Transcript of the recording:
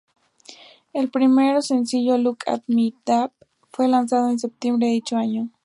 El primero sencillo, "Look at My Dab", fue lanzado en septiembre de dicho año.